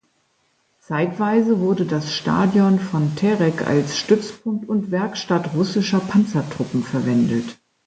Zeitweise wurde das Stadion von Terek als Stützpunkt und Werkstatt russischer Panzertruppen verwendet.